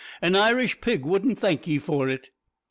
An Irish pig wouldn't thank ye for it."